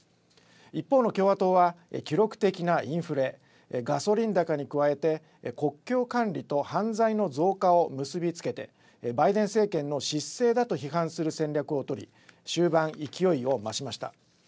一方の共和党は記録的なインフレ、ガソリン高に加えて、国境管理と犯罪の増加を結び付けてバイデン政権の失政だと批判する戦略を取り終盤勢いを増しました。